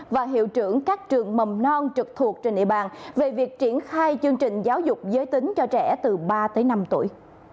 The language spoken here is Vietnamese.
và hiệu trưởng các trường mầm non trực thuộc trên địa bàn về việc triển khai chương trình giáo dục giới tính cho trẻ từ ba tới năm tuổi